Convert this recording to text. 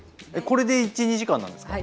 これで１２時間なんですか？